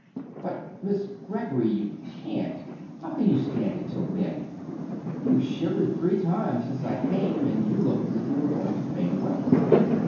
But, Miss Greggory, you can't how can you stand it till then? You've shivered three times since I came, and you look as if you were going to faint away."